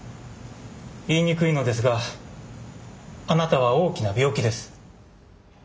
言いにくいのですがあなたは大きな病気です。